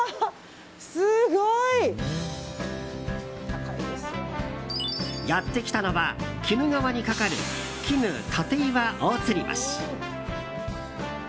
すごい！やってきたのは鬼怒川にかかる鬼怒楯岩大吊橋。